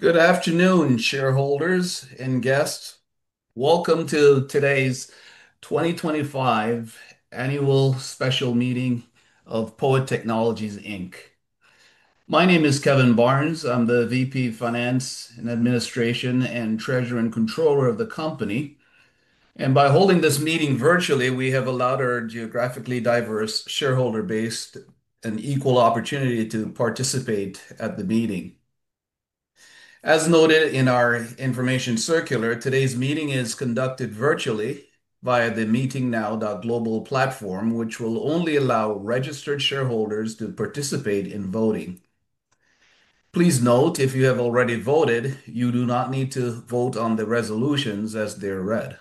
Good afternoon, shareholders and guests. Welcome to today's 2025 Annual Special Meeting of POET Technologies. My name is Kevin Barnes. I'm the VP of Finance and Administration and Treasurer and Controller of the company. By holding this meeting virtually, we have allowed our geographically diverse shareholder base an equal opportunity to participate at the meeting. As noted in our information circular, today's meeting is conducted virtually via the MeetingNow.global platform, which will only allow registered shareholders to participate in voting. Please note, if you have already voted, you do not need to vote on the resolutions as they're read.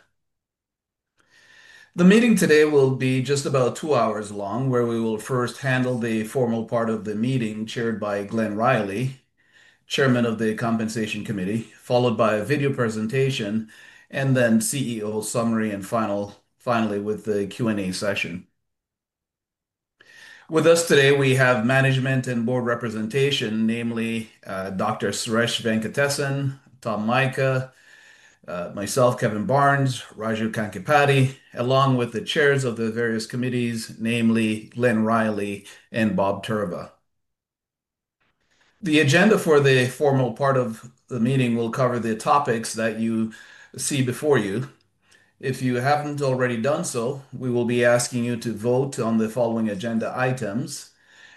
The meeting today will be just about two hours long, where we will first handle the formal part of the meeting chaired by Glen Riley, Chairman of the Compensation Committee, followed by a video presentation, and then CEO summary and finally with the Q&A session. With us today, we have management and board representation, namely Dr. Suresh Venkatesan, Tom Myka, myself, Kevin Barnes, Raju Kankani, along with the chairs of the various committees, namely Glen Riley and Bob Turba. The agenda for the formal part of the meeting will cover the topics that you see before you. If you haven't already done so, we will be asking you to vote on the following agenda items,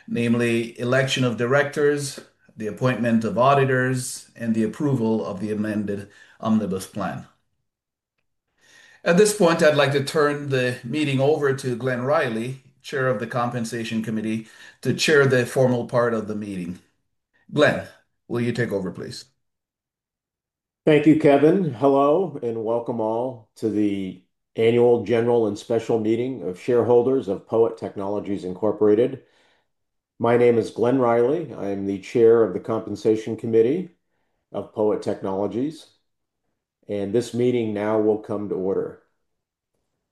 namely Election of Directors, the Appointment of Auditors, and the Approval of the Amended Omnibus Plan. At this point, I'd like to turn the meeting over to Glen Riley, Chair of the Compensation Committee, to chair the formal part of the meeting. Glen, will you take over, please? Thank you, Kevin. Hello and welcome all to the Annual General and Special Meeting of Shareholders of POET Technologies. My name is Glen Riley. I am the Chair of the Compensation Committee of POET Technologies, and this meeting now will come to order.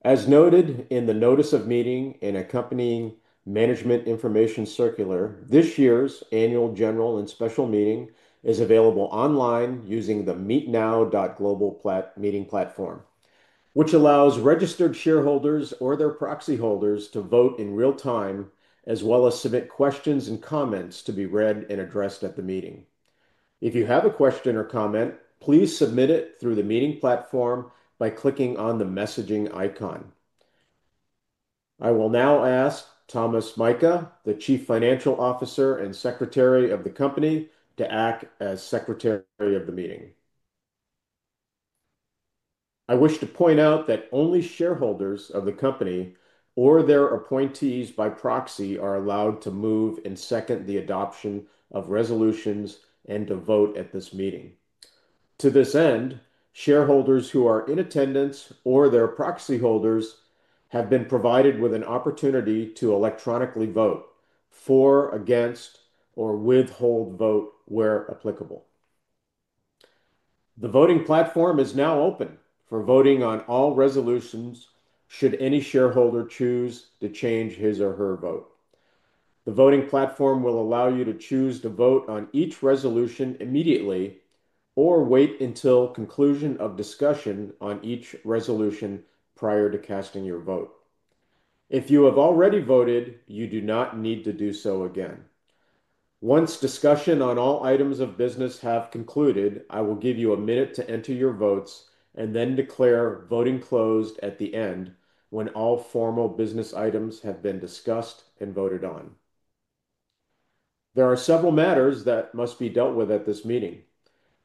As noted in the notice of meeting and accompanying management information circular, this year's Annual General and Special Meeting is available online using the MeetNow.global meeting platform, which allows registered shareholders or their proxy holders to vote in real time, as well as submit questions and comments to be read and addressed at the meeting. If you have a question or comment, please submit it through the meeting platform by clicking on the messaging icon. I will now ask Thomas Mika, the Chief Financial Officer and Secretary of the company, to act as Secretary of the meeting. I wish to point out that only shareholders of the company or their appointees by proxy are allowed to move and second the adoption of resolutions and to vote at this meeting. To this end, shareholders who are in attendance or their proxy holders have been provided with an opportunity to electronically vote for, against, or withhold vote where applicable. The voting platform is now open for voting on all resolutions should any shareholder choose to change his or her vote. The voting platform will allow you to choose to vote on each resolution immediately or wait until conclusion of discussion on each resolution prior to casting your vote. If you have already voted, you do not need to do so again. Once discussion on all items of business has concluded, I will give you a minute to enter your votes and then declare voting closed at the end when all formal business items have been discussed and voted on. There are several matters that must be dealt with at this meeting.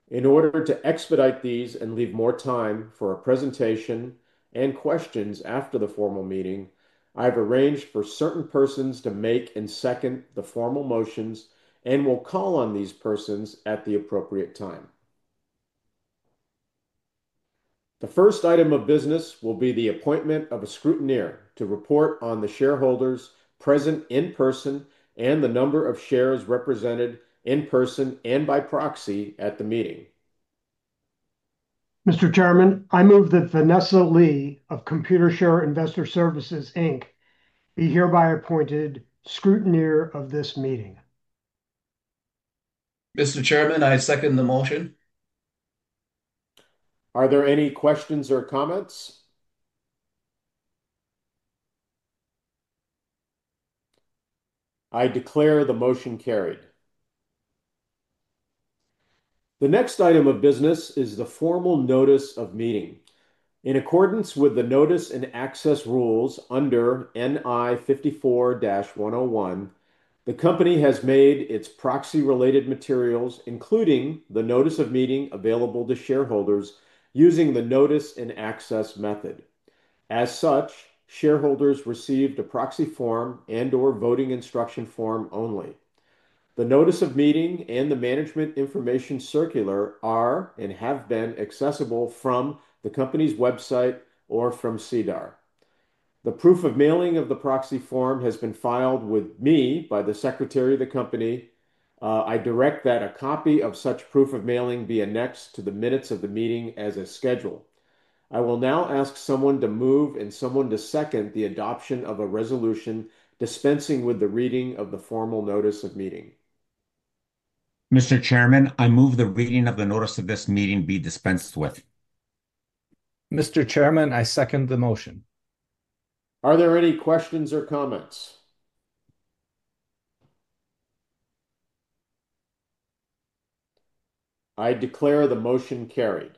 In order to expedite these and leave more time for a presentation and questions after the formal meeting, I've arranged for certain persons to make and second the formal motions and will call on these persons at the appropriate time. The first item of business will be the appointment of a scrutineer to report on the shareholders present in person and the number of shares represented in person and by proxy at the meeting. Mr. Chairman, I move that Vanessa Lee of Computershare Investor Services Inc be hereby appointed scrutineer of this meeting. Mr. Chairman, I second the motion. Are there any questions or comments? I declare the motion carried. The next item of business is the formal notice of meeting. In accordance with the notice and access rules under NI 54-101, the company has made its proxy-related materials, including the notice of meeting, available to shareholders using the notice and access method. As such, shareholders received a proxy form and/or voting instruction form only. The notice of meeting and the management information circular are and have been accessible from the company's website or from CDAR. The proof of mailing of the proxy form has been filed with me by the secretary of the company. I direct that a copy of such proof of mailing be annexed to the minutes of the meeting as a schedule. I will now ask someone to move and someone to second the adoption of a resolution dispensing with the reading of the formal notice of meeting. Mr. Chairman, I move the reading of the notice of this meeting be dispensed with. Mr. Chairman, I second the motion. Are there any questions or comments? I declare the motion carried.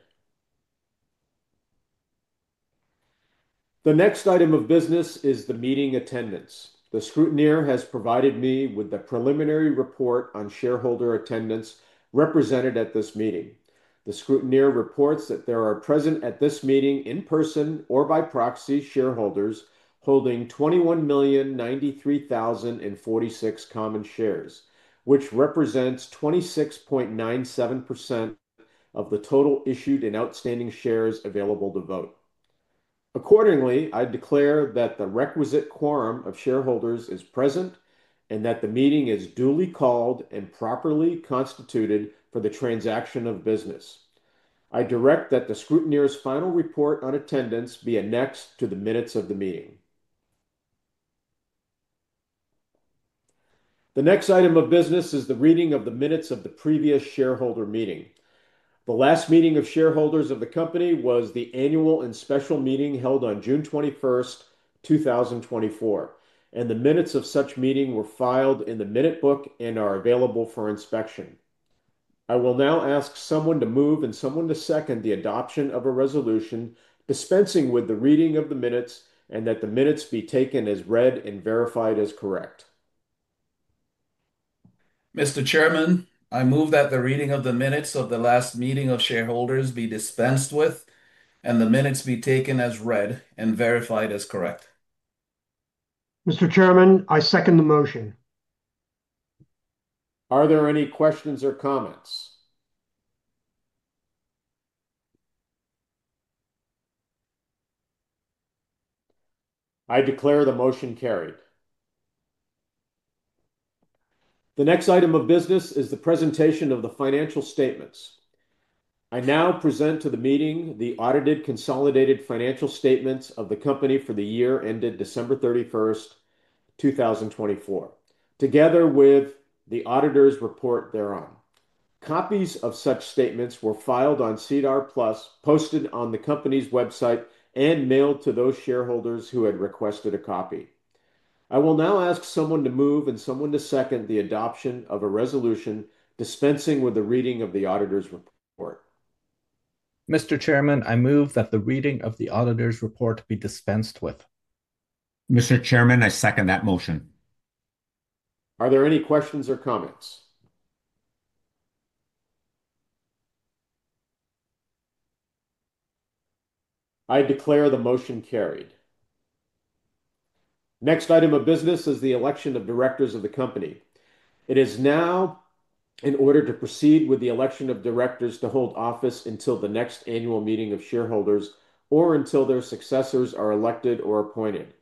The next item of business is the meeting attendance. The scrutineer has provided me with the preliminary report on shareholder attendance represented at this meeting. The scrutineer reports that there are present at this meeting in person or by proxy shareholders holding 21,093,046 common shares, which represents 26.97% of the total issued and outstanding shares available to vote. Accordingly, I declare that the requisite quorum of shareholders is present and that the meeting is duly called and properly constituted for the transaction of business. I direct that the scrutineer's final report on attendance be annexed to the minutes of the meeting. The next item of business is the reading of the minutes of the previous shareholder meeting. The last meeting of shareholders of the company was the Annual and Special Meeting held on June 21st, 2024, and the minutes of such meeting were filed in the minute book and are available for inspection. I will now ask someone to move and someone to second the adoption of a resolution dispensing with the reading of the minutes and that the minutes be taken as read and verified as correct. Mr. Chairman, I move that the reading of the minutes of the last meeting of shareholders be dispensed with and the minutes be taken as read and verified as correct. Mr. Chairman, I second the motion. Are there any questions or comments? I declare the motion carried. The next item of business is the presentation of the financial statements. I now present to the meeting the audited consolidated financial statements of the company for the year ended December 31st, 2024, together with the auditor's report thereon. Copies of such statements were filed on SEDAR+, posted on the company's website, and mailed to those shareholders who had requested a copy. I will now ask someone to move and someone to second the adoption of a resolution dispensing with the reading of the auditor's report. Mr. Chairman, I move that the reading of the auditor's report be dispensed with. Mr. Chairman, I second that motion. Are there any questions or comments? I declare the motion carried. Next item of business is the election of directors of the company. It is now in order to proceed with the election of directors to hold office until the next annual meeting of shareholders or until their successors are elected or appointed.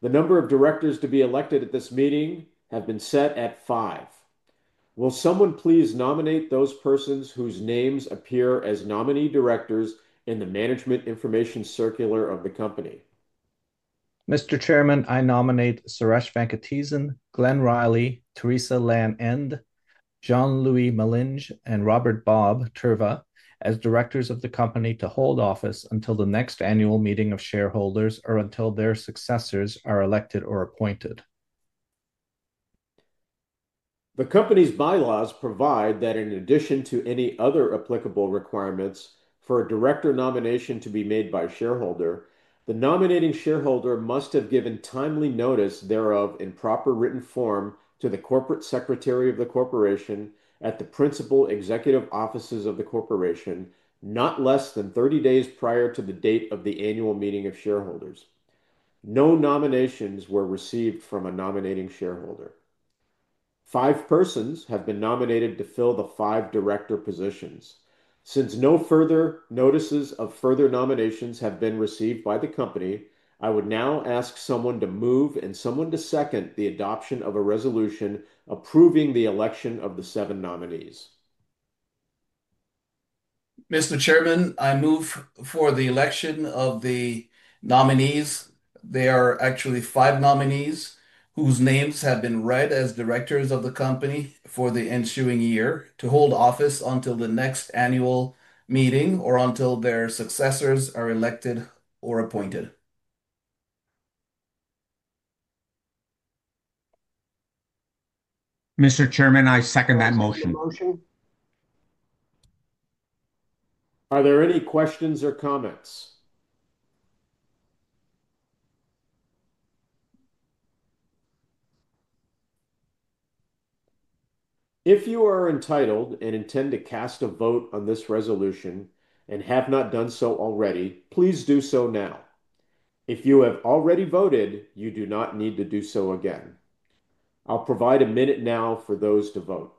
The number of directors to be elected at this meeting has been set at five. Will someone please nominate those persons whose names appear as nominee directors in the management information circular of the company? Mr. Chairman, I nominate Suresh Venkatesan, Glen Riley, Theresa Lan Ende, Jean-Louis Malinge, and Robert 'Bob' Tirva as directors of the company to hold office until the next annual meeting of shareholders or until their successors are elected or appointed. The company's bylaws provide that in addition to any other applicable requirements for a director nomination to be made by a shareholder, the nominating shareholder must have given timely notice thereof in proper written form to the Corporate Secretary of the corporation at the principal executive offices of the corporation, not less than 30 days prior to the date of the annual meeting of shareholders. No nominations were received from a nominating shareholder. Five persons have been nominated to fill the five director positions. Since no further notices of further nominations have been received by the company, I would now ask someone to move and someone to second the adoption of a resolution approving the election of the seven nominees. Mr. Chairman, I move for the election of the nominees. There are actually five nominees whose names have been read as directors of the company for the ensuing year to hold office until the next annual meeting or until their successors are elected or appointed. Mr. Chairman, I second that motion. Are there any questions or comments? If you are entitled and intend to cast a vote on this resolution and have not done so already, please do so now. If you have already voted, you do not need to do so again. I'll provide a minute now for those to vote.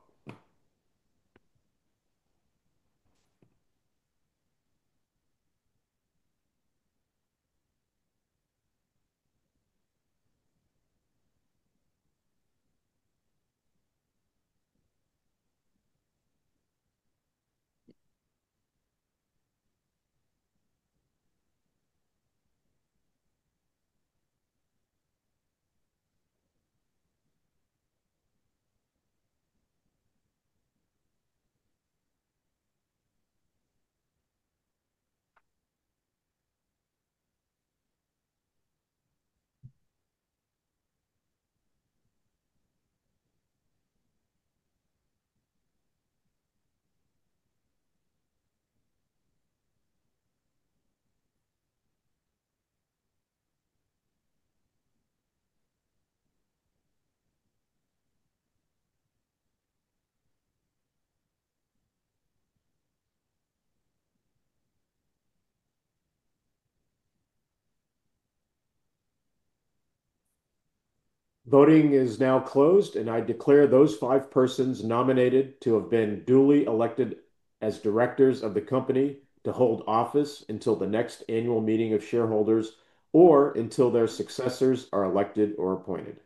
Voting is now closed, and I declare those five persons nominated to have been duly elected as directors of the company to hold office until the next annual meeting of shareholders or until their successors are elected or appointed.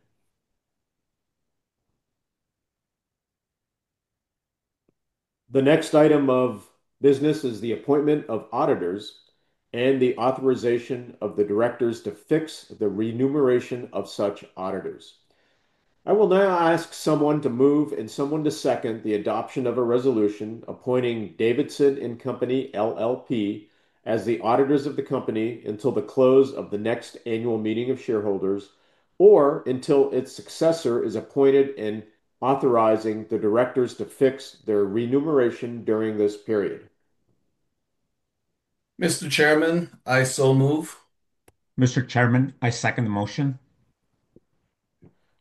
The next item of business is the appointment of auditors and the authorization of the directors to fix the remuneration of such auditors. I will now ask someone to move and someone to second the adoption of a resolution appointing Davidson & Company LLP as the auditors of the company until the close of the next annual meeting of shareholders or until its successor is appointed in authorizing the directors to fix their remuneration during this period. Mr. Chairman, I so move. Mr. Chairman, I second the motion.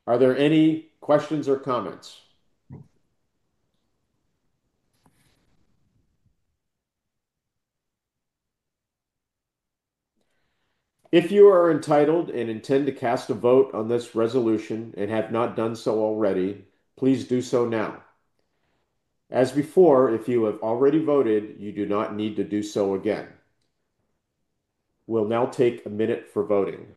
Are there any questions or comments? If you are entitled and intend to cast a vote on this resolution and have not done so already, please do so now. As before, if you have already voted, you do not need to do so again. We'll now take a minute for voting.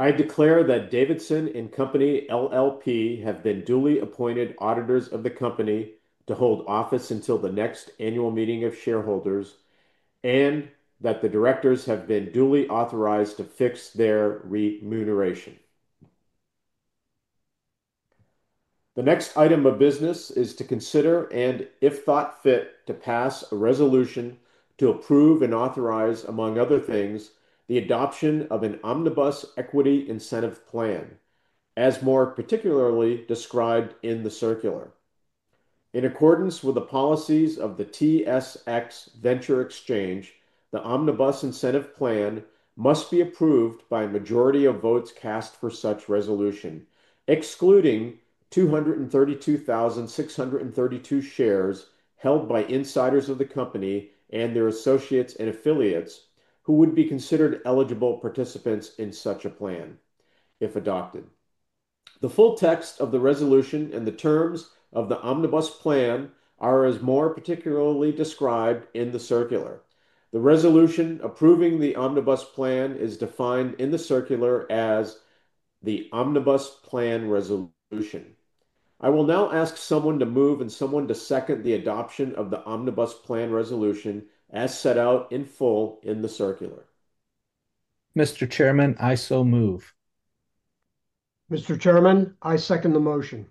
I declare that Davidson & Company LLP have been duly appointed auditors of the company to hold office until the next annual meeting of shareholders and that the directors have been duly authorized to fix their remuneration. The next item of business is to consider and, if thought fit, to pass a resolution to approve and authorize, among other things, the adoption of an omnibus equity incentive plan, as more particularly described in the circular. In accordance with the policies of the TSX Venture Exchange, the omnibus incentive plan must be approved by a majority of votes cast for such resolution, excluding 232,632 shares held by insiders of the company and their associates and affiliates who would be considered eligible participants in such a plan, if adopted. The full text of the resolution and the terms of the omnibus plan are as more particularly described in the circular. The resolution approving the omnibus plan is defined in the circular as the omnibus plan resolution. I will now ask someone to move and someone to second the adoption of the omnibus plan resolution as set out in full in the circular. Mr. Chairman, I so move. Mr. Chairman, I second the motion.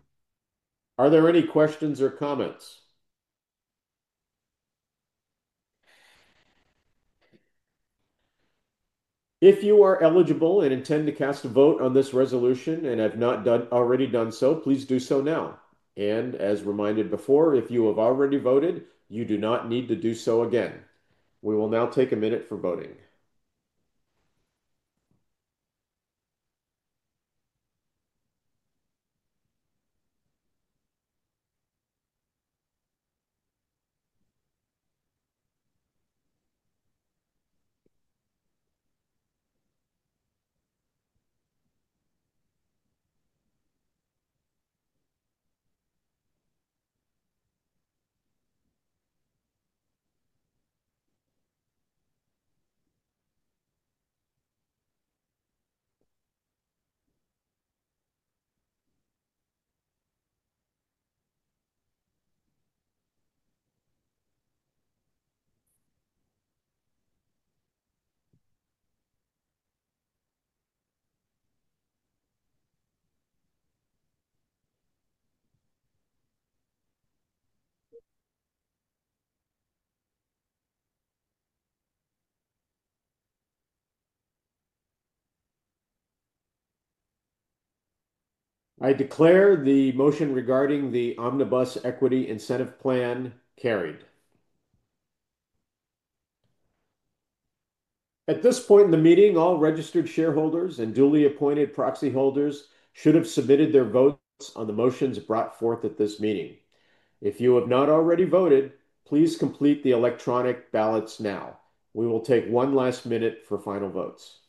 Are there any questions or comments? If you are eligible and intend to cast a vote on this resolution and have not already done so, please do so now. As reminded before, if you have already voted, you do not need to do so again. We will now take a minute for voting. I declare the motion regarding the omnibus equity incentive plan carried. At this point in the meeting, all registered shareholders and duly appointed proxy holders should have submitted their votes on the motions brought forth at this meeting. If you have not already voted, please complete the electronic ballots now. We will take one last minute for final votes.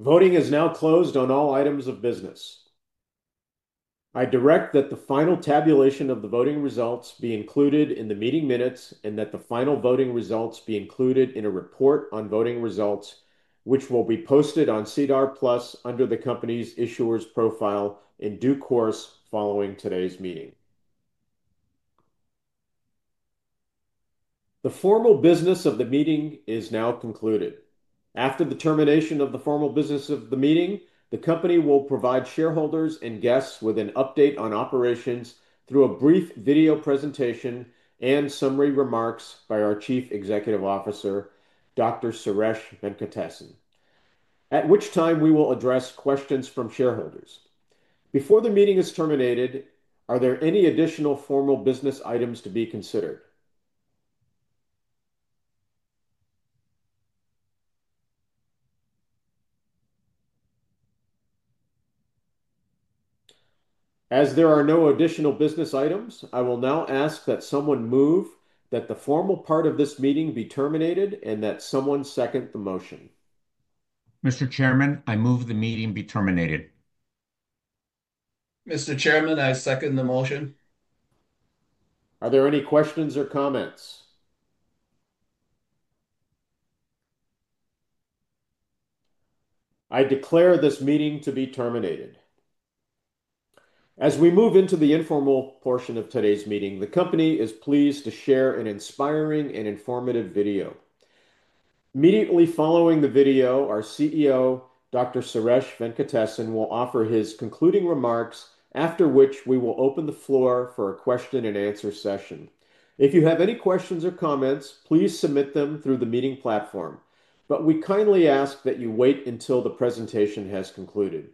Voting is now closed on all items of business. I direct that the final tabulation of the voting results be included in the meeting minutes and that the final voting results be included in a report on voting results, which will be posted on SEDAR+ under the company's issuer profile in due course following today's meeting. The formal business of the meeting is now concluded. After the termination of the formal business of the meeting, the company will provide shareholders and guests with an update on operations through a brief video presentation and summary remarks by our Chief Executive Officer, Dr. Suresh Venkatesan, at which time we will address questions from shareholders. Before the meeting is terminated, are there any additional formal business items to be considered? As there are no additional business items, I will now ask that someone move that the formal part of this meeting be terminated and that someone second the motion. Mr. Chairman, I move the meeting be terminated. Mr. Chairman, I second the motion. Are there any questions or comments? I declare this meeting to be terminated. As we move into the informal portion of today's meeting, the company is pleased to share an inspiring and informative video. Immediately following the video, our CEO, Dr. Suresh Venkatesan, will offer his concluding remarks, after which we will open the floor for a question-and-answer session. If you have any questions or comments, please submit them through the meeting platform, but we kindly ask that you wait until the presentation has concluded.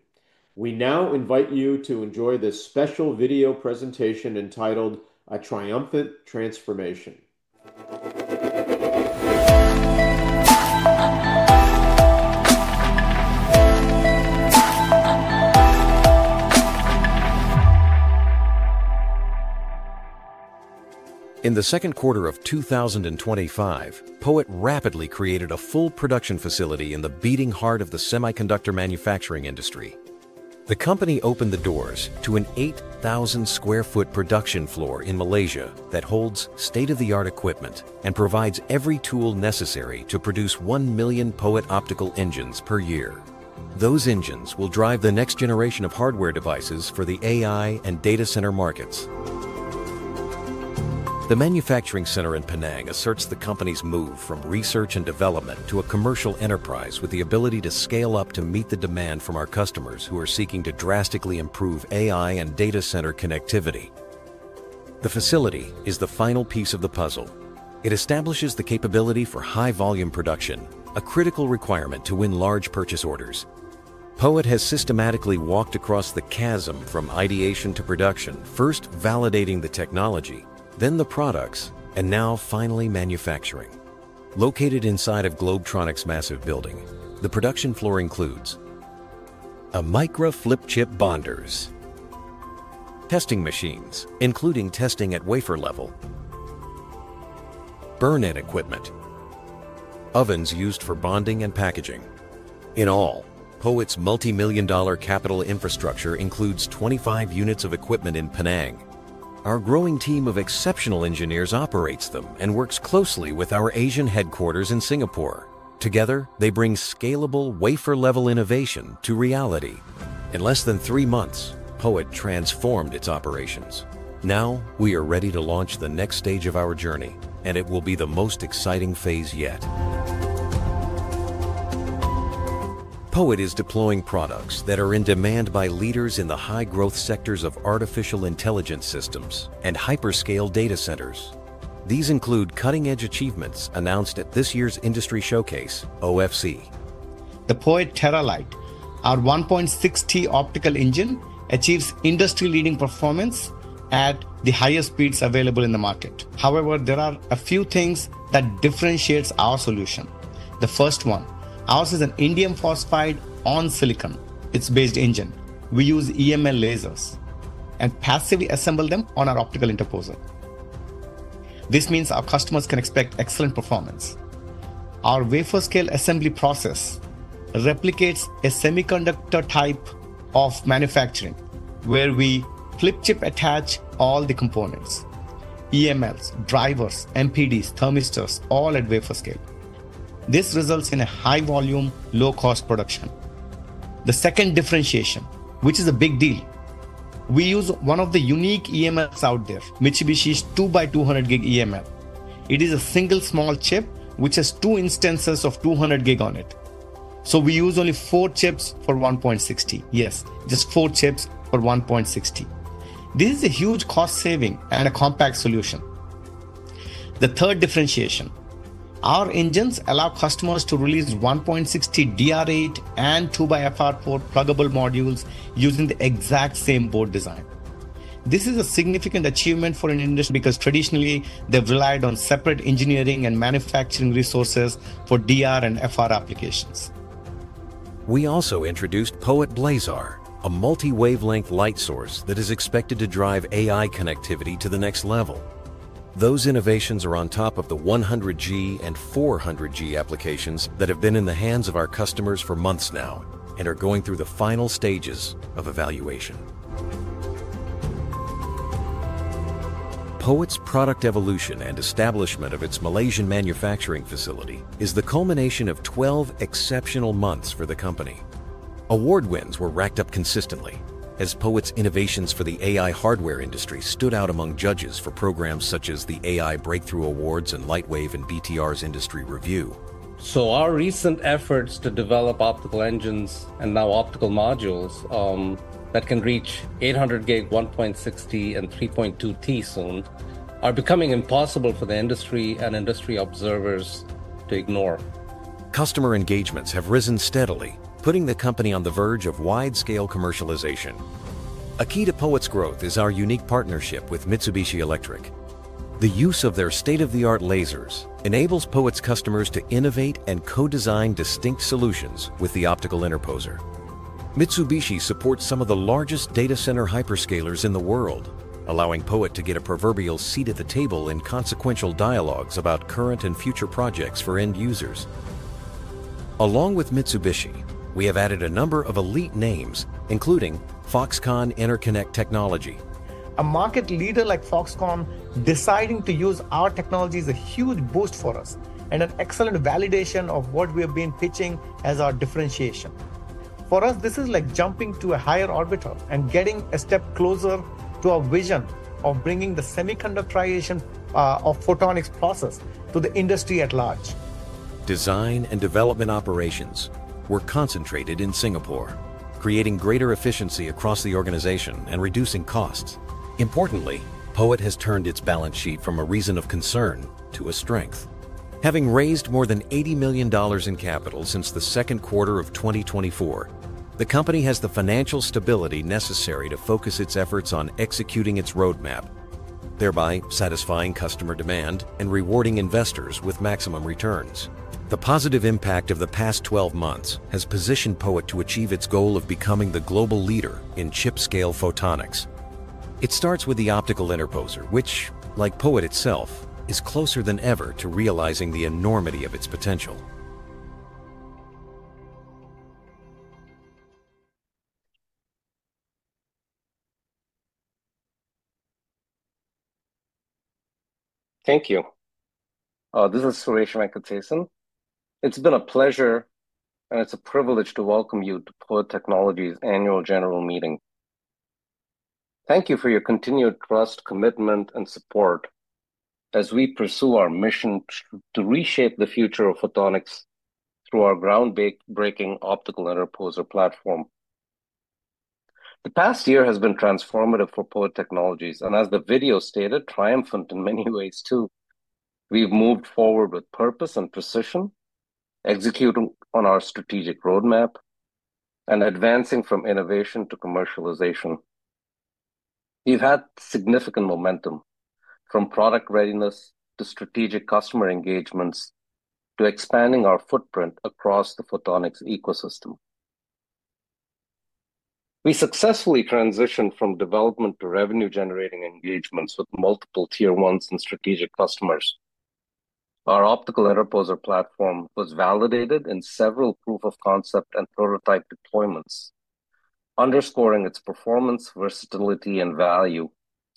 We now invite you to enjoy this special video presentation entitled A Triumphant Transformation. In the second quarter of 2025, POET rapidly created a full production facility in the beating heart of the semiconductor manufacturing industry. The company opened the doors to an 8,000 sq ft production floor in Malaysia that holds state-of-the-art equipment and provides every tool necessary to produce 1 million POET optical engines per year. Those engines will drive the next generation of hardware devices for the AI and data center markets. The manufacturing center in Penang asserts the company's move from research and development to a commercial enterprise with the ability to scale up to meet the demand from our customers who are seeking to drastically improve AI and data center connectivity. The facility is the final piece of the puzzle. It establishes the capability for high-volume production, a critical requirement to win large purchase orders. POET has systematically walked across the chasm from ideation to production, first validating the technology, then the products, and now finally manufacturing. Located inside of Globetronics' massive building, the production floor includes a micro flip chip bonders, testing machines, including testing at wafer level, burn-in equipment, and ovens used for bonding and packaging. In all, POET's multi-million-dollar capital infrastructure includes 25 units of equipment in Penang. Our growing team of exceptional engineers operates them and works closely with our Asian headquarters in Singapore. Together, they bring scalable wafer-level innovation to reality. In less than three months, POET transformed its operations. Now we are ready to launch the next stage of our journey, and it will be the most exciting phase yet. POET is deploying products that are in demand by leaders in the high-growth sectors of artificial intelligence systems and hyperscale data centers. These include cutting-edge achievements announced at this year's industry showcase, OFC. The POET Terralite, our 1.6T optical engine, achieves industry-leading performance at the highest speeds available in the market. However, there are a few things that differentiate our solution. The first one, ours is an indium phosphide on silicon-based engine. We use EML lasers and passively assemble them on our optical interposer. This means our customers can expect excellent performance. Our wafer-scale assembly process replicates a semiconductor type of manufacturing where we flip chip-attach all the components: EMLs, drivers, MPDs, thermistors, all at wafer scale. This results in a high-volume, low-cost production. The second differentiation, which is a big deal, we use one of the unique EMLs out there, Mitsubishi's 2x200G EML. It is a single small chip which has two instances of 200G on it. We use only four chips for 1.6T. Yes, just four chips for 1.6T. This is a huge cost saving and a compact solution. The third differentiation, our engines allow customers to release 1.6T DR8 and 2xFR4 pluggable modules using the exact same board design. This is a significant achievement for an industry because traditionally they've relied on separate engineering and manufacturing resources for DR and FR applications. We also introduced POET Blazar, a multi-wavelength light source that is expected to drive AI connectivity to the next level. Those innovations are on top of the 100G and 400G applications that have been in the hands of our customers for months now and are going through the final stages of evaluation. POET's product evolution and establishment of its Malaysian manufacturing facility is the culmination of 12 exceptional months for the company. Award wins were racked up consistently as POET's innovations for the AI hardware industry stood out among judges for programs such as the AI Breakthrough Awards and Lightwave and BTR's Industry Review. Our recent efforts to develop optical engines and now optical modules that can reach 800G, 1.6T, and 3.2T soon are becoming impossible for the industry and industry observers to ignore. Customer engagements have risen steadily, putting the company on the verge of wide-scale commercialization. A key to POET's growth is our unique partnership with Mitsubishi Electric. The use of their state-of-the-art lasers enables POET's customers to innovate and co-design distinct solutions with the Optical Interposer. Mitsubishi supports some of the largest data center hyperscalers in the world, allowing POET to get a proverbial seat at the table in consequential dialogues about current and future projects for end users. Along with Mitsubishi, we have added a number of elite names, including Foxconn Interconnect Technology. A market leader like Foxconn deciding to use our technology is a huge boost for us and an excellent validation of what we have been pitching as our differentiation. For us, this is like jumping to a higher orbital and getting a step closer to our vision of bringing the semiconductorization of photonics process to the industry at large. Design and development operations were concentrated in Singapore, creating greater efficiency across the organization and reducing costs. Importantly, POET has turned its balance sheet from a reason of concern to a strength. Having raised more than $80 million in capital since the second quarter of 2024, the company has the financial stability necessary to focus its efforts on executing its roadmap, thereby satisfying customer demand and rewarding investors with maximum returns. The positive impact of the past 12 months has positioned POET to achieve its goal of becoming the global leader in chip-scale photonics. It starts with the Optical Interposer, which, like POET itself, is closer than ever to realizing the enormity of its potential. Thank you. This is Suresh Venkatesan. It's been a pleasure and it's a privilege to welcome you to POET Technologies' annual general meeting. Thank you for your continued trust, commitment, and support as we pursue our mission to reshape the future of photonics through our groundbreaking Optical Interposer platform. The past year has been transformative for POET Technologies and, as the video stated, triumphant in many ways too. We've moved forward with purpose and precision, executing on our strategic roadmap and advancing from innovation to commercialization. We've had significant momentum from product readiness to strategic customer engagements to expanding our footprint across the photonics ecosystem. We successfully transitioned from development to revenue-generating engagements with multiple tier ones and strategic customers. Our Optical Interposer platform was validated in several proof-of-concept and prototype deployments, underscoring its performance, versatility, and value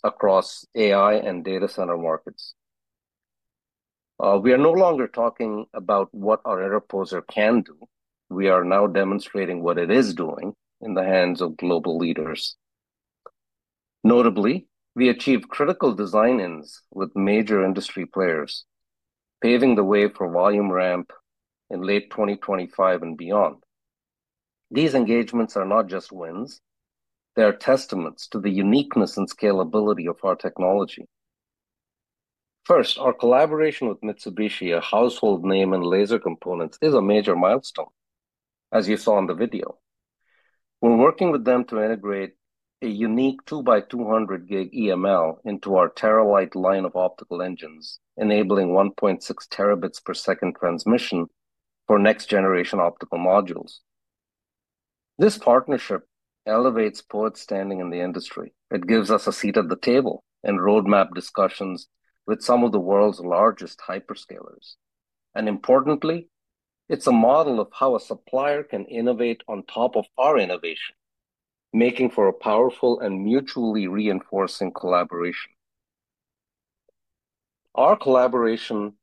across AI and data center markets. We are no longer talking about what our interposer can do. We are now demonstrating what it is doing in the hands of global leaders. Notably, we achieved critical design wins with major industry players, paving the way for volume ramp in late 2025 and beyond. These engagements are not just wins; they are testaments to the uniqueness and scalability of our technology. First, our collaboration with Mitsubishi, a household name in laser components, is a major milestone, as you saw in the video. We're working with them to integrate a unique 2x200G EML into our Terralite line of optical engines, enabling 1.6 Tb per second transmission for next-generation optical modules. This partnership elevates POET's standing in the industry. It gives us a seat at the table and roadmap discussions with some of the world's largest hyperscalers. Importantly, it's a model of how a supplier can innovate on top of our innovation, making for a powerful and mutually reinforcing collaboration. Our collaboration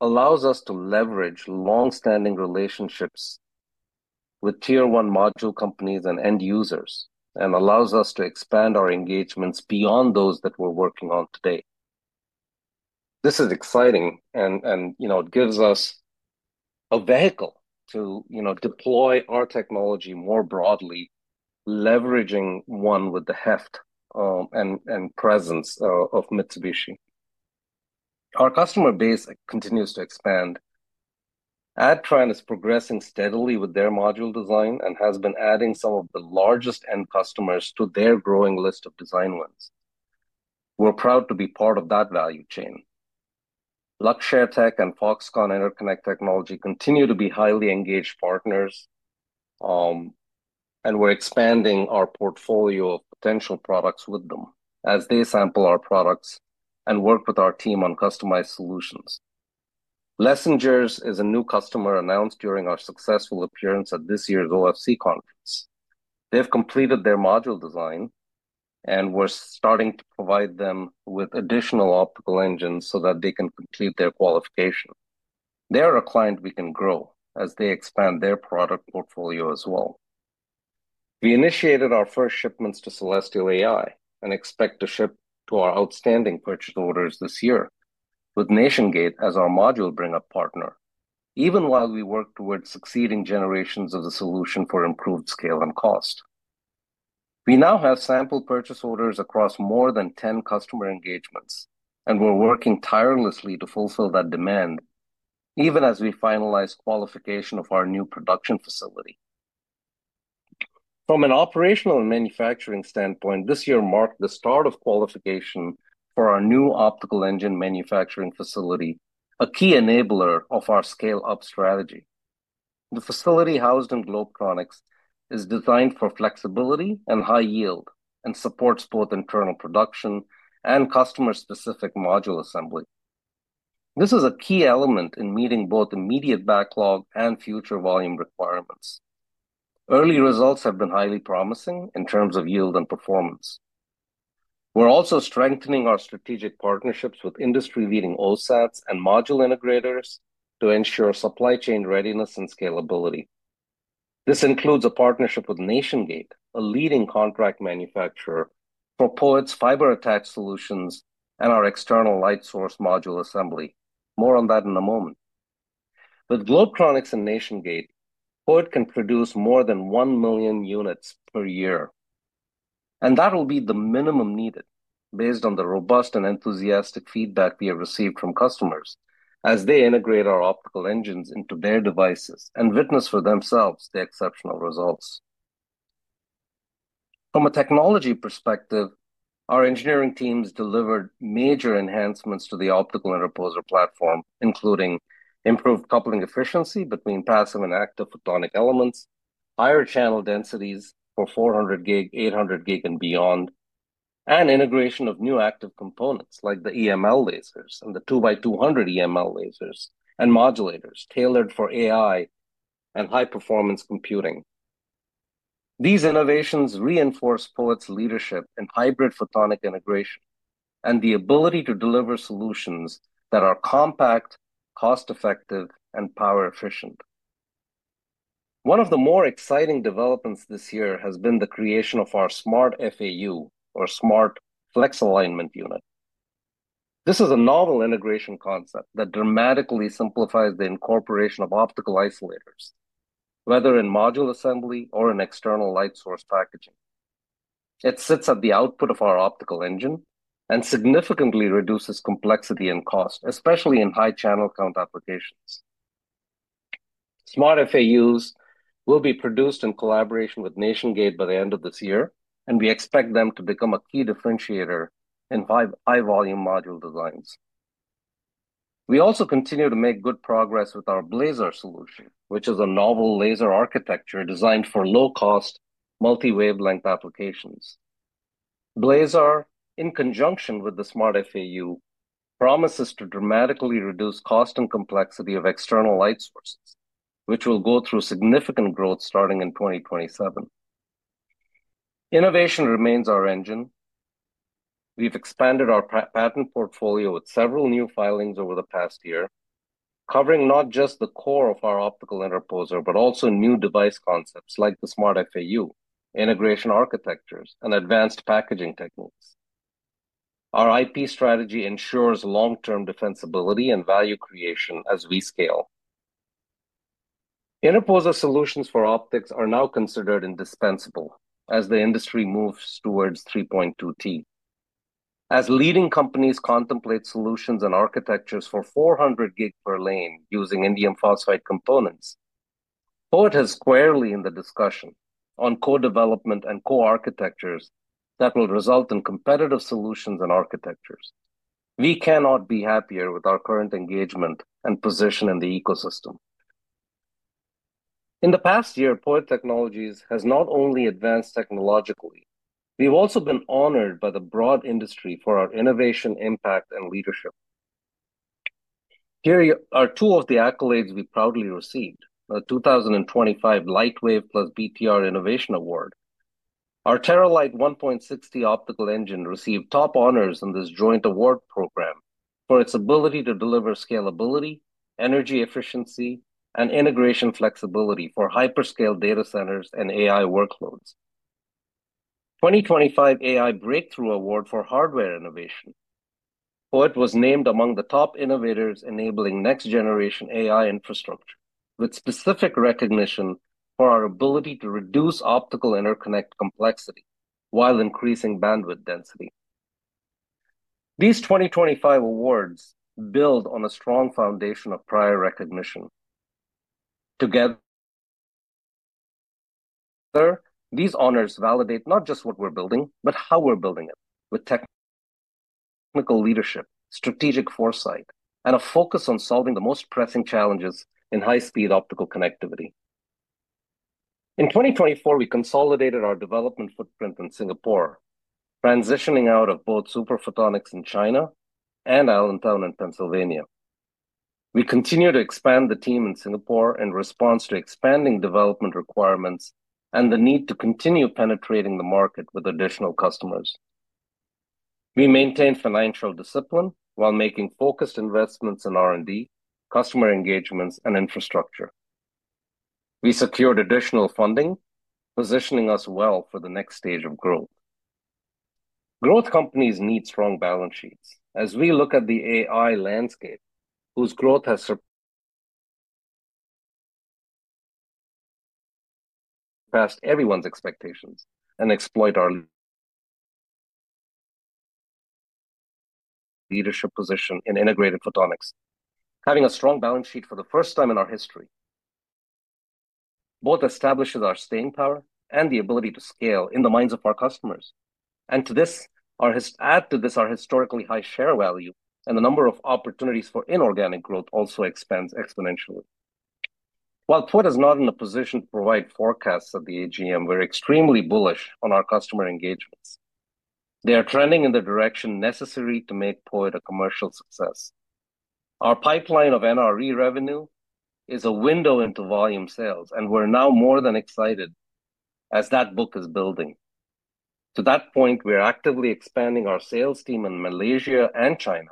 allows us to leverage long-standing relationships with tier one module companies and end users and allows us to expand our engagements beyond those that we are working on today. This is exciting, and it gives us a vehicle to deploy our technology more broadly, leveraging one with the heft and presence of Mitsubishi. Our customer base continues to expand. Adtran is progressing steadily with their module design and has been adding some of the largest end customers to their growing list of design wins. We are proud to be part of that value chain. Luxshare Tech and Foxconn Interconnect Technology continue to be highly engaged partners, and we're expanding our portfolio of potential products with them as they sample our products and work with our team on customized solutions. Lessengers is a new customer announced during our successful appearance at this year's OFC conference. They've completed their module design, and we're starting to provide them with additional optical engines so that they can complete their qualification. They are a client we can grow as they expand their product portfolio as well. We initiated our first shipments to Celestial AI and expect to ship to our outstanding purchase orders this year with Nationgate as our module bring-up partner, even while we work towards succeeding generations of the solution for improved scale and cost. We now have sample purchase orders across more than 10 customer engagements, and we're working tirelessly to fulfill that demand, even as we finalize qualification of our new production facility. From an operational and manufacturing standpoint, this year marked the start of qualification for our new optical engine manufacturing facility, a key enabler of our scale-up strategy. The facility housed in Globetronics is designed for flexibility and high yield and supports both internal production and customer-specific module assembly. This is a key element in meeting both immediate backlog and future volume requirements. Early results have been highly promising in terms of yield and performance. We're also strengthening our strategic partnerships with industry-leading OSATs and module integrators to ensure supply chain readiness and scalability. This includes a partnership with Nationgate, a leading contract manufacturer for POET's fiber-attached solutions and our external light source module assembly. More on that in a moment. With Globetronics and Nationgate, POET can produce more than 1 million units per year, and that will be the minimum needed based on the robust and enthusiastic feedback we have received from customers as they integrate our optical engines into their devices and witness for themselves the exceptional results. From a technology perspective, our engineering teams delivered major enhancements to the Optical Interposer platform, including improved coupling efficiency between passive and active photonic elements, higher channel densities for 400G, 800G, and beyond, and integration of new active components like the EML lasers and the 2x200 EML lasers and modulators tailored for AI and high-performance computing. These innovations reinforce POET's leadership in hybrid photonic integration and the ability to deliver solutions that are compact, cost-effective, and power-efficient. One of the more exciting developments this year has been the creation of our Smart FAU, or smart flex alignment unit. This is a novel integration concept that dramatically simplifies the incorporation of optical isolators, whether in module assembly or in external light source packaging. It sits at the output of our optical engine and significantly reduces complexity and cost, especially in high channel count applications. Smart FAUs will be produced in collaboration with Nationgate by the end of this year, and we expect them to become a key differentiator in high-volume module designs. We also continue to make good progress with our Blazar solution, which is a novel laser architecture designed for low-cost multi-wavelength applications. Blazar, in conjunction with the Smart FAU, promises to dramatically reduce cost and complexity of external light sources, which will go through significant growth starting in 2027. Innovation remains our engine. We've expanded our patent portfolio with several new filings over the past year, covering not just the core of our Optical Interposer, but also new device concepts like the Smart FAU, integration architectures, and advanced packaging techniques. Our IP strategy ensures long-term defensibility and value creation as we scale. Interposer solutions for optics are now considered indispensable as the industry moves towards 3.2T. As leading companies contemplate solutions and architectures for 400G per lane using indium phosphide components, POET has squarely in the discussion on co-development and co-architectures that will result in competitive solutions and architectures. We cannot be happier with our current engagement and position in the ecosystem. In the past year, POET Technologies has not only advanced technologically. We've also been honored by the broad industry for our innovation, impact, and leadership. Here are two of the accolades we proudly received: the 2025 LightWave plus BTR Innovation Award. Our Terralite 1.6T optical engine received top honors in this joint award program for its ability to deliver scalability, energy efficiency, and integration flexibility for hyperscale data centers and AI workloads. 2025 AI Breakthrough Award for Hardware Innovation. POET was named among the top innovators enabling next-generation AI infrastructure with specific recognition for our ability to reduce optical interconnect complexity while increasing bandwidth density. These 2025 awards build on a strong foundation of prior recognition. Together, these honors validate not just what we're building, but how we're building it with technical leadership, strategic foresight, and a focus on solving the most pressing challenges in high-speed optical connectivity. In 2024, we consolidated our development footprint in Singapore, transitioning out of both Super Photonics in China and Allentown in Pennsylvania. We continue to expand the team in Singapore in response to expanding development requirements and the need to continue penetrating the market with additional customers. We maintain financial discipline while making focused investments in R&D, customer engagements, and infrastructure. We secured additional funding, positioning us well for the next stage of growth. Growth companies need strong balance sheets as we look at the AI landscape whose growth has surpassed everyone's expectations and exploit our leadership position in integrated photonics. Having a strong balance sheet for the first time in our history both establishes our staying power and the ability to scale in the minds of our customers. To this, add our historically high share value and the number of opportunities for inorganic growth also expands exponentially. While POET is not in a position to provide forecasts at the AGM, we're extremely bullish on our customer engagements. They are trending in the direction necessary to make POET a commercial success. Our pipeline of NRE revenue is a window into volume sales, and we're now more than excited as that book is building. To that point, we're actively expanding our sales team in Malaysia and China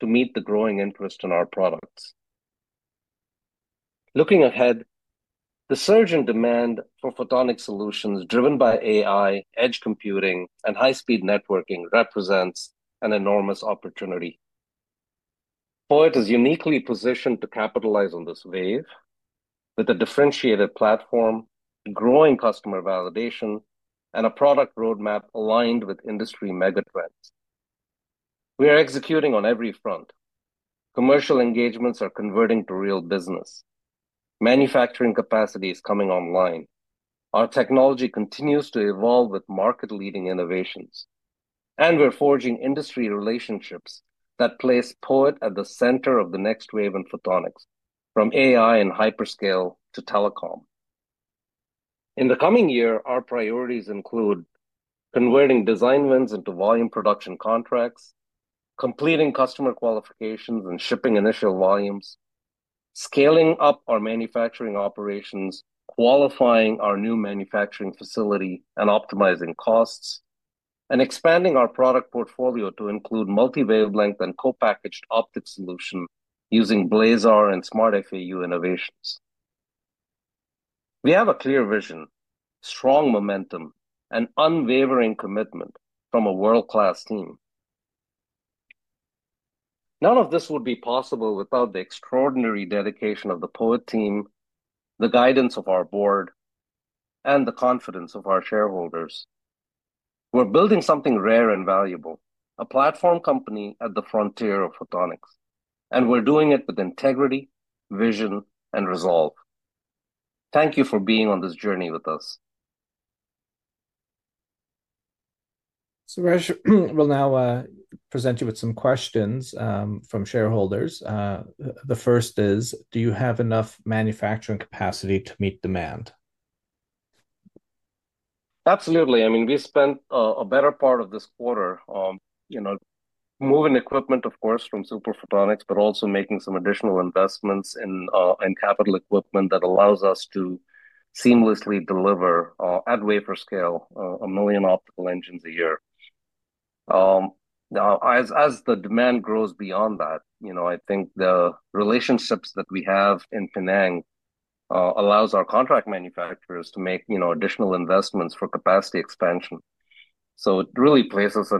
to meet the growing interest in our products. Looking ahead, the surge in demand for photonic solutions driven by AI, edge computing, and high-speed networking represents an enormous opportunity. POET is uniquely positioned to capitalize on this wave with a differentiated platform, growing customer validation, and a product roadmap aligned with industry mega trends. We are executing on every front. Commercial engagements are converting to real business. Manufacturing capacity is coming online. Our technology continues to evolve with market-leading innovations, and we're forging industry relationships that place POET at the center of the next wave in photonics, from AI and hyperscale to telecom. In the coming year, our priorities include converting design wins into volume production contracts, completing customer qualifications and shipping initial volumes, scaling up our manufacturing operations, qualifying our new manufacturing facility, optimizing costs, and expanding our product portfolio to include multi-wavelength and co-packaged optics solutions using Blazar and Smart FAU innovations. We have a clear vision, strong momentum, and unwavering commitment from a world-class team. None of this would be possible without the extraordinary dedication of the POET team, the guidance of our board, and the confidence of our shareholders. We're building something rare and valuable, a platform company at the frontier of photonics, and we're doing it with integrity, vision, and resolve. Thank you for being on this journey with us. Suresh I will now present you with some questions from shareholders. The first is, do you have enough manufacturing capacity to meet demand? Absolutely. I mean, we spent a better part of this quarter moving equipment, of course, from Super Photonics, but also making some additional investments in capital equipment that allows us to seamlessly deliver at wafer scale a million optical engines a year. Now, as the demand grows beyond that, I think the relationships that we have in Penang allow our contract manufacturers to make additional investments for capacity expansion. It really places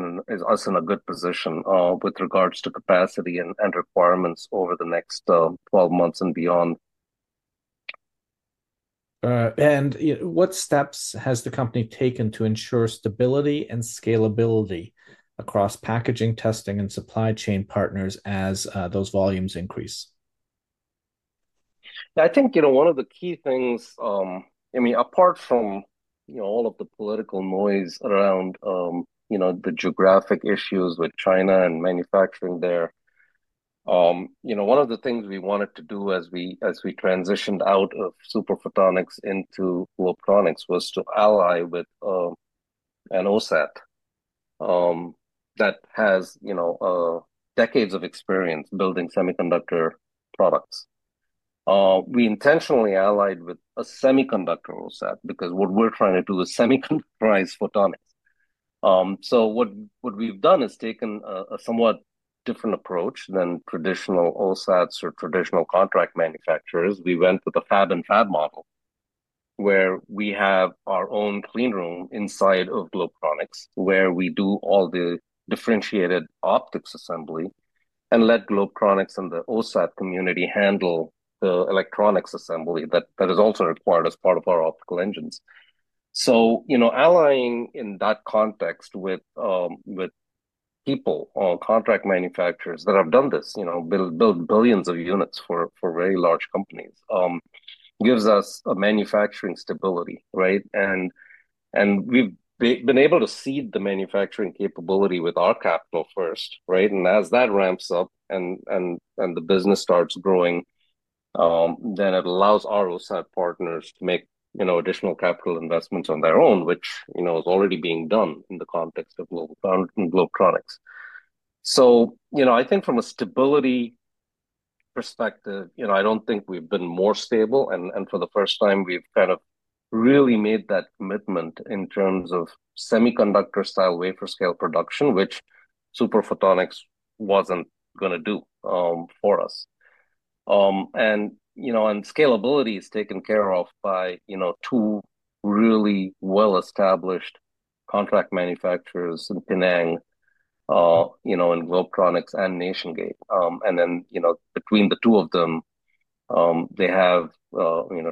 us in a good position with regards to capacity and requirements over the next 12 months and beyond. What steps has the company taken to ensure stability and scalability across packaging, testing, and supply chain partners as those volumes increase? I think one of the key things, I mean, apart from all of the political noise around the geographic issues with China and manufacturing there, one of the things we wanted to do as we transitioned out of Super Photonics into Globetronics was to ally with an OSAT that has decades of experience building semiconductor products. We intentionally allied with a semiconductor OSAT because what we're trying to do is semiconductorize photonics. So what we've done is taken a somewhat different approach than traditional OSATs or traditional contract manufacturers. We went with a Fab and Fab model where we have our own clean room inside of Globetronics, where we do all the differentiated optics assembly and let Globetronics and the OSAT community handle the electronics assembly that is also required as part of our optical engines. Allying in that context with people, contract manufacturers that have done this, built billions of units for very large companies, gives us a manufacturing stability, right? We've been able to seed the manufacturing capability with our capital first, right? As that ramps up and the business starts growing, it allows our OSAT partners to make additional capital investments on their own, which is already being done in the context of Globetronics. I think from a stability perspective, I don't think we've been more stable. For the first time, we've kind of really made that commitment in terms of semiconductor-style wafer scale production, which Super Photonics wasn't going to do for us. Scalability is taken care of by two really well-established contract manufacturers in Penang, in Globetronics and Nationgate. Between the two of them, they have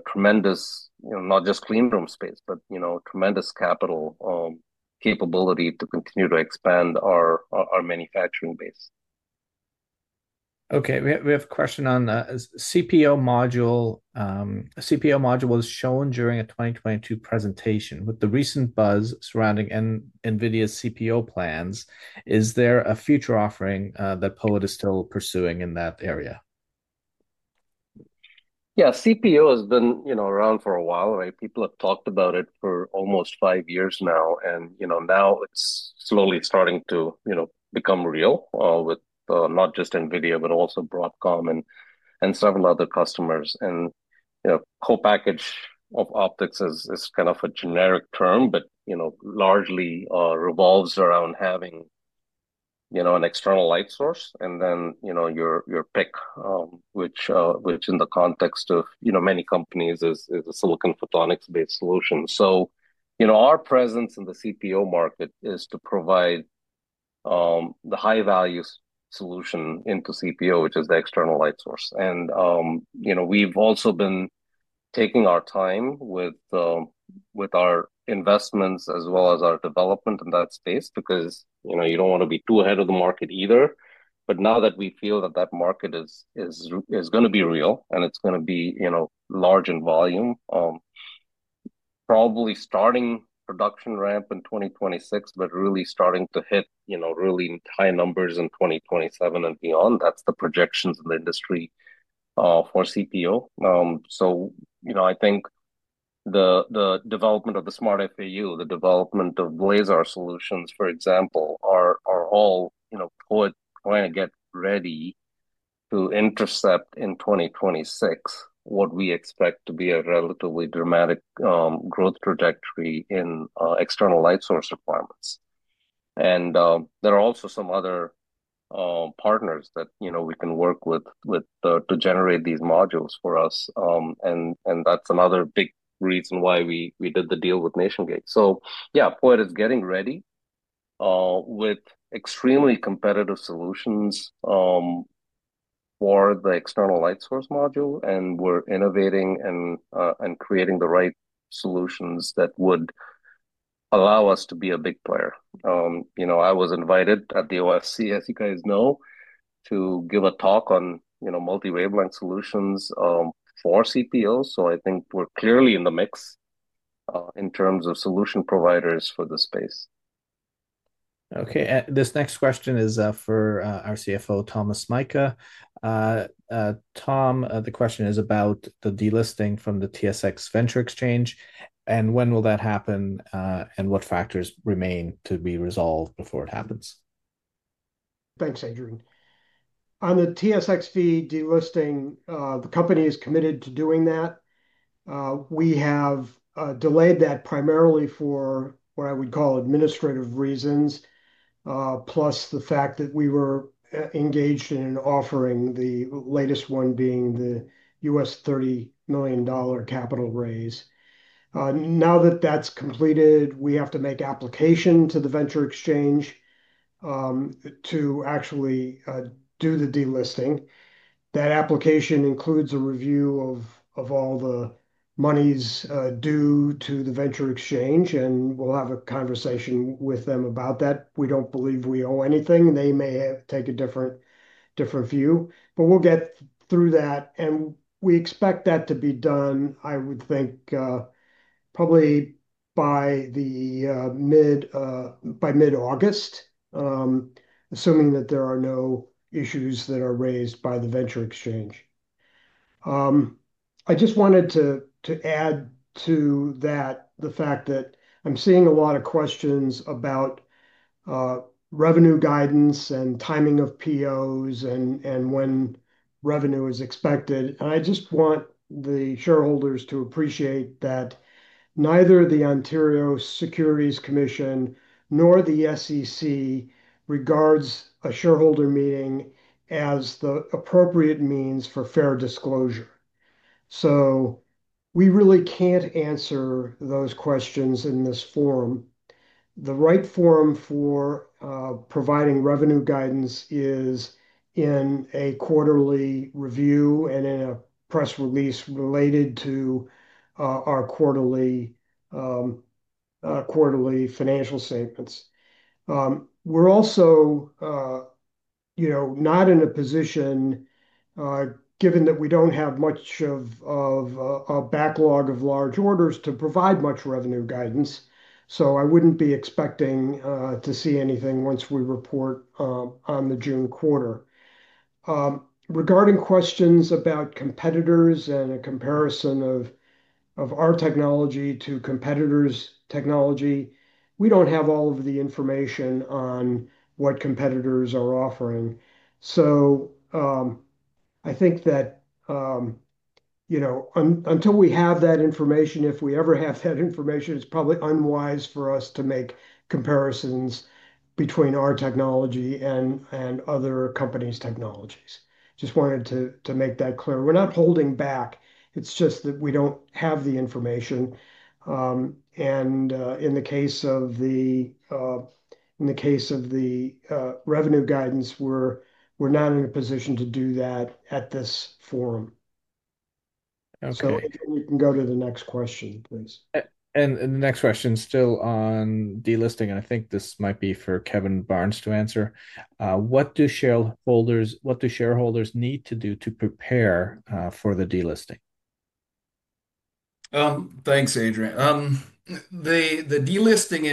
tremendous, not just clean room space, but tremendous capital capability to continue to expand our manufacturing base. Okay. We have a question on CPO module. A CPO module was shown during a 2022 presentation. With the recent buzz surrounding NVIDIA's CPO plans, is there a future offering that POET is still pursuing in that area? Yeah. CPO has been around for a while, right? People have talked about it for almost five years now. Now it's slowly starting to become real with not just NVIDIA, but also Broadcom and several other customers. Co-package of optics is kind of a generic term, but largely revolves around having an external light source and then your PIC, which in the context of many companies is a silicon photonics-based solution. Our presence in the CPO market is to provide the high-value solution into CPO, which is the external light source. We have also been taking our time with our investments as well as our development in that space because you do not want to be too ahead of the market either. Now that we feel that market is going to be real and it is going to be large in volume, probably starting production ramp in 2026, but really starting to hit really high numbers in 2027 and beyond. That is the projections of the industry for CPO. I think the development of the Smart FAU, the development of Blazar solutions, for example, are all POET trying to get ready to intercept in 2026 what we expect to be a relatively dramatic growth trajectory in external light source requirements. There are also some other partners that we can work with to generate these modules for us. That is another big reason why we did the deal with Nationgate. Yeah, POET is getting ready with extremely competitive solutions for the external light source module. We are innovating and creating the right solutions that would allow us to be a big player. I was invited at the OFC, as you guys know, to give a talk on multi-wavelength solutions for CPO. I think we are clearly in the mix in terms of solution providers for the space. Okay. This next question is for our CFO, Thomas Mika. Tom, the question is about the delisting from the TSX Venture Exchange. When will that happen and what factors remain to be resolved before it happens? Thanks, Raju. On the TSX fee delisting, the company is committed to doing that. We have delayed that primarily for what I would call administrative reasons, plus the fact that we were engaged in an offering, the latest one being the $30 million capital raise. Now that that's completed, we have to make application to the venture exchange to actually do the delisting. That application includes a review of all the monies due to the venture exchange, and we'll have a conversation with them about that. We don't believe we owe anything. They may take a different view, but we'll get through that. We expect that to be done, I would think, probably by mid-August, assuming that there are no issues that are raised by the venture exchange. I just wanted to add to that the fact that I'm seeing a lot of questions about revenue guidance and timing of POs and when revenue is expected. I just want the shareholders to appreciate that neither the Ontario Securities Commission nor the SEC regards a shareholder meeting as the appropriate means for fair disclosure. We really can't answer those questions in this forum. The right forum for providing revenue guidance is in a quarterly review and in a press release related to our quarterly financial statements. We're also not in a position, given that we don't have much of a backlog of large orders, to provide much revenue guidance. I wouldn't be expecting to see anything once we report on the June quarter. Regarding questions about competitors and a comparison of our technology to competitors' technology, we don't have all of the information on what competitors are offering. I think that until we have that information, if we ever have that information, it's probably unwise for us to make comparisons between our technology and other companies' technologies. Just wanted to make that clear. We're not holding back. It's just that we don't have the information. In the case of the revenue guidance, we're not in a position to do that at this forum. We can go to the next question, please. The next question is still on delisting. I think this might be for Kevin Barnes to answer. What do shareholders need to do to prepare for the delisting? Thanks, Adrian. The delisting,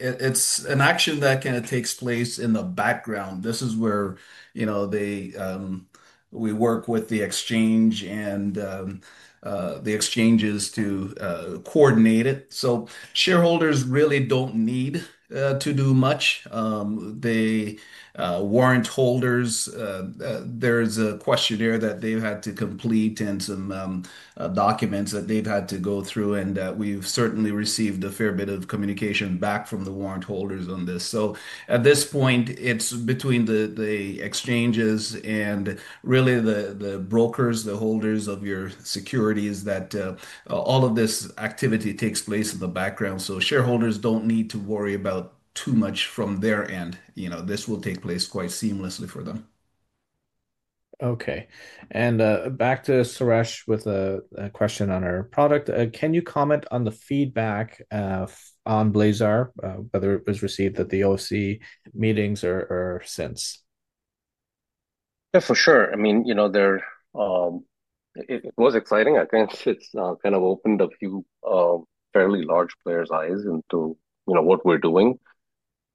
it's an action that kind of takes place in the background. This is where we work with the exchange and the exchanges to coordinate it. Shareholders really don't need to do much. They warrant holders. There's a questionnaire that they've had to complete and some documents that they've had to go through. We've certainly received a fair bit of communication back from the warrant holders on this. At this point, it's between the exchanges and really the brokers, the holders of your securities, that all of this activity takes place in the background. Shareholders don't need to worry about too much from their end. This will take place quite seamlessly for them. Okay. Back to Suresh with a question on our product. Can you comment on the feedback on Blazar, whether it was received at the OFC meetings or since? Yeah, for sure. I mean, it was exciting. I think it's kind of opened a few fairly large players' eyes into what we're doing.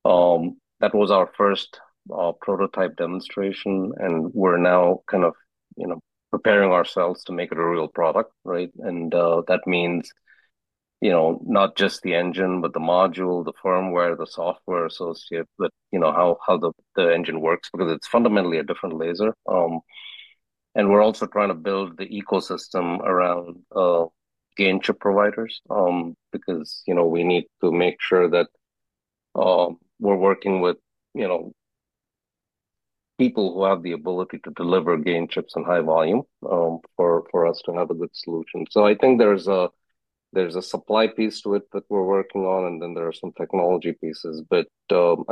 That was our first prototype demonstration. We are now kind of preparing ourselves to make it a real product, right? That means not just the engine, but the module, the firmware, the software associated with how the engine works because it is fundamentally a different laser. We are also trying to build the ecosystem around game chip providers because we need to make sure that we are working with people who have the ability to deliver game chips in high volume for us to have a good solution. I think there is a supply piece to it that we are working on, and then there are some technology pieces.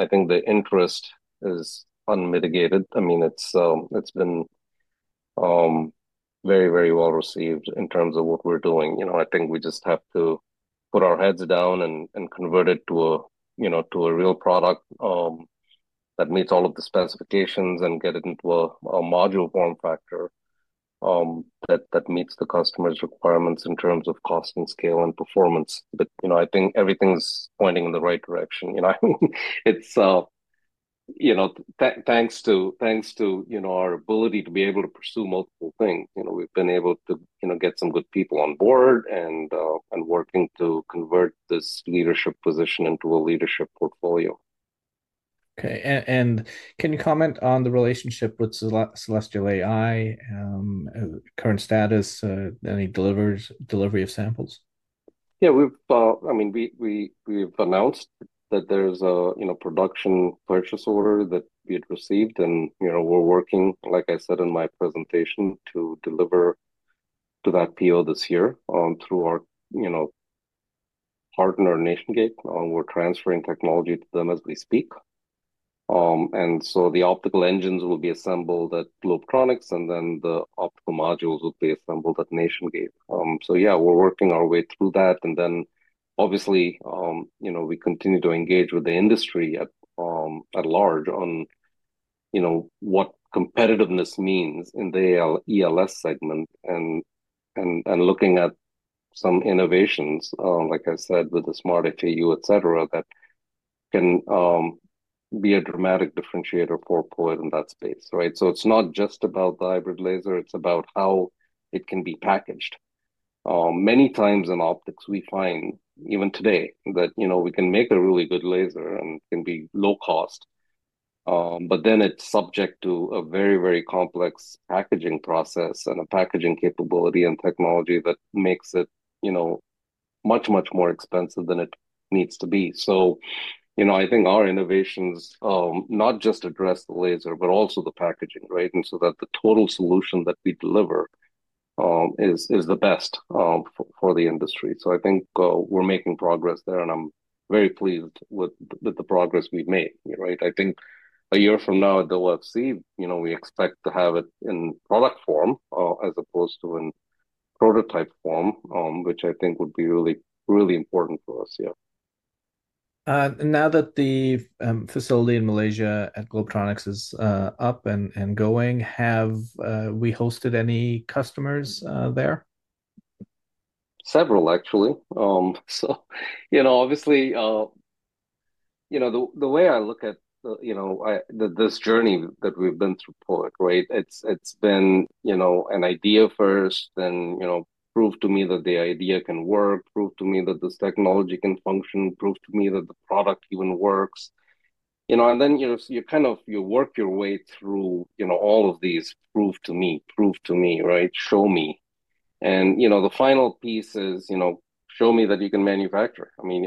I think the interest is unmitigated. I mean, it has been very, very well received in terms of what we are doing. I think we just have to put our heads down and convert it to a real product that meets all of the specifications and get it into a module form factor that meets the customer's requirements in terms of cost and scale and performance. I think everything's pointing in the right direction. Thanks to our ability to be able to pursue multiple things, we've been able to get some good people on board and working to convert this leadership position into a leadership portfolio. Okay. Can you comment on the relationship with Celestial AI, current status, any delivery of samples? Yeah. I mean, we've announced that there's a production purchase order that we had received. We're working, like I said in my presentation, to deliver to that PO this year through our partner, Nationgate. We're transferring technology to them as we speak. The optical engines will be assembled at Globetronics, and then the optical modules will be assembled at Nationgate. We are working our way through that. Obviously, we continue to engage with the industry at large on what competitiveness means in the ELS segment and looking at some innovations, like I said, with the Smart FAU, etc., that can be a dramatic differentiator for POET in that space, right? It is not just about the hybrid laser. It is about how it can be packaged. Many times in optics, we find, even today, that we can make a really good laser and it can be low cost, but then it is subject to a very, very complex packaging process and a packaging capability and technology that makes it much, much more expensive than it needs to be. I think our innovations not just address the laser, but also the packaging, right? That the total solution that we deliver is the best for the industry. I think we're making progress there, and I'm very pleased with the progress we've made, right? I think a year from now at the OFC, we expect to have it in product form as opposed to in prototype form, which I think would be really, really important for us here. Now that the facility in Malaysia at Globetronics is up and going, have we hosted any customers there? Several, actually. Obviously, the way I look at this journey that we've been through, POET, right? It's been an idea first, then prove to me that the idea can work, prove to me that this technology can function, prove to me that the product even works. You kind of work your way through all of these prove to me, prove to me, right? Show me. The final piece is show me that you can manufacture. I mean,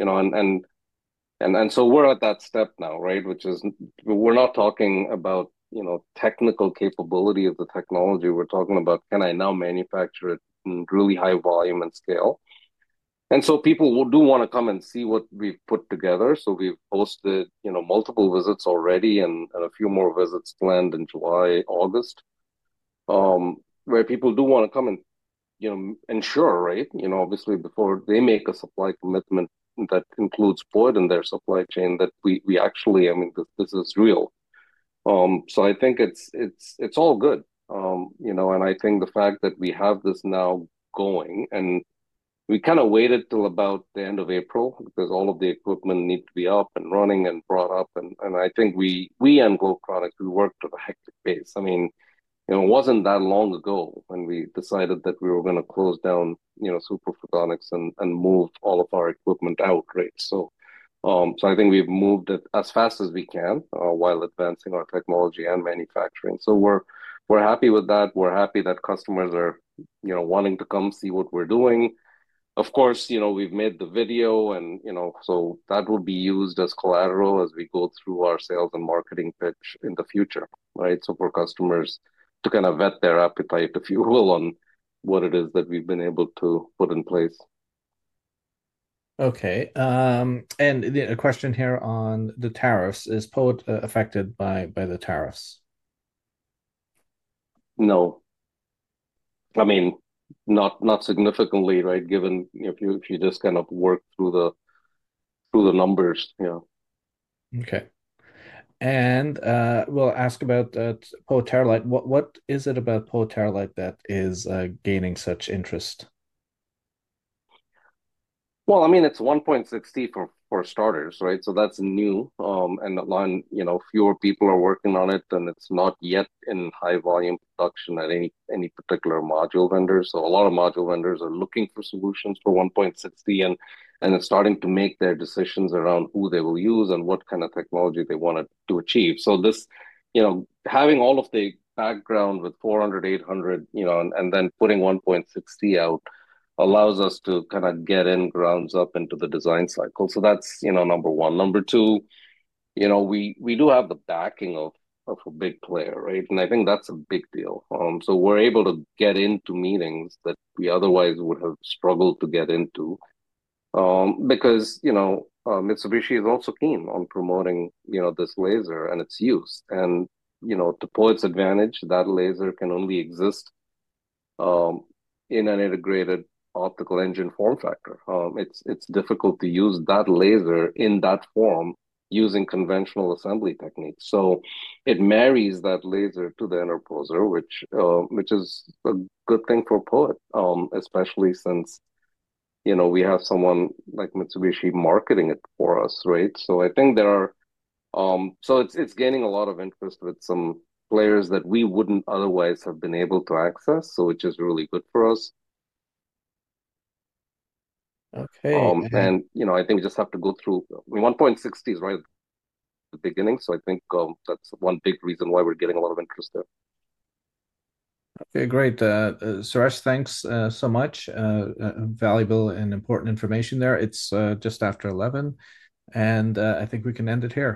we're at that step now, right? We're not talking about technical capability of the technology. We're talking about, can I now manufacture it in really high volume and scale? People do want to come and see what we've put together. We've hosted multiple visits already and a few more visits planned in July, August, where people do want to come and ensure, right? Obviously, before they make a supply commitment that includes POET in their supply chain, that we actually, I mean, this is real. I think it's all good. I think the fact that we have this now going, and we kind of waited till about the end of April because all of the equipment needed to be up and running and brought up. I think we and Globetronics, we worked at a hectic pace. I mean, it was not that long ago when we decided that we were going to close down Super Photonics and move all of our equipment out, right? I think we have moved it as fast as we can while advancing our technology and manufacturing. We are happy with that. We are happy that customers are wanting to come see what we are doing. Of course, we have made the video, and that will be used as collateral as we go through our sales and marketing pitch in the future, right? For customers to kind of vet their appetite, if you will, on what it is that we've been able to put in place. Okay. A question here on the tariffs. Is POET affected by the tariffs? No. I mean, not significantly, right? Given if you just kind of work through the numbers. Yeah. Okay. We'll ask about POET Teralight. What is it about POET Teralight that is gaining such interest? I mean, it's 1.6T for starters, right? That's new. Fewer people are working on it, and it's not yet in high-volume production at any particular module vendor. A lot of module vendors are looking for solutions for 1.6T, and it's starting to make their decisions around who they will use and what kind of technology they want to achieve. Having all of the background with 400, 800, and then putting 1.60T out allows us to kind of get in, grounds up into the design cycle. That is number one. Number two, we do have the backing of a big player, right? I think that is a big deal. We are able to get into meetings that we otherwise would have struggled to get into because Mitsubishi is also keen on promoting this laser and its use. To POET's advantage, that laser can only exist in an integrated optical engine form factor. It is difficult to use that laser in that form using conventional assembly techniques. It marries that laser to the interposer, which is a good thing for POET, especially since we have someone like Mitsubishi marketing it for us, right? I think there are, so it's gaining a lot of interest with some players that we wouldn't otherwise have been able to access, which is really good for us. Okay. I think we just have to go through 1.6T is right at the beginning. I think that's one big reason why we're getting a lot of interest there. Okay. Great. Suresh, thanks so much. Valuable and important information there. It's just after 11:00 A.M. I think we can end it here.